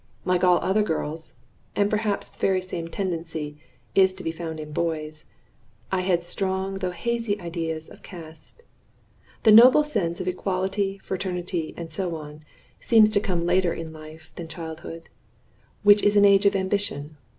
Like all other girls and perhaps the very same tendency is to be found in boys I had strong though hazy ideas of caste. The noble sense of equality, fraternity, and so on, seems to come later in life than childhood, which is an age of ambition.